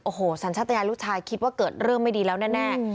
โอ้โหสัญชาติยานลูกชายคิดว่าเกิดเรื่องไม่ดีแล้วแน่